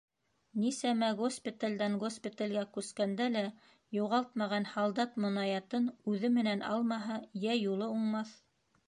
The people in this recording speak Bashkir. Нисәмә госпиталдән госпиталгә күскәндә лә юғалтмаған һалдат монаятын үҙе менән алмаһа, йә юлы уңмаҫ.